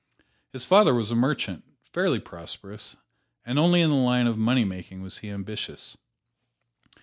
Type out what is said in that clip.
His father was a merchant, fairly prosperous, and only in the line of money making was he ambitious.